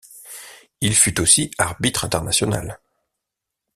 Il fut aussi arbitre international.